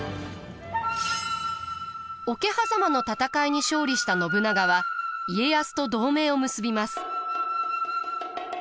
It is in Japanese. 桶狭間の戦いに勝利した信長は家康と同盟を結びます。